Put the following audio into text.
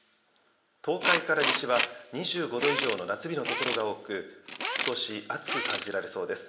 東海から西は２５度以上の夏日の所が多く少し暑く感じられそうです。